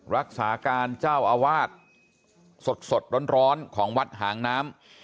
รักษาการเจ้าอาวาสสดร้อนของวัดหางน้ำ